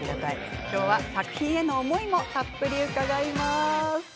作品への思いもたっぷり伺います。